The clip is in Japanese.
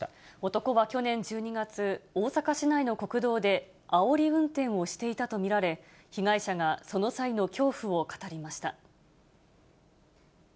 男は去年１２月、大阪市内の国道であおり運転をしていたと見られ、被害者がその際の恐怖を語りました。